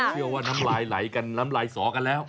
เชื่อว่าน้ำลายไหลกันน้ำลายสอกันแล้ว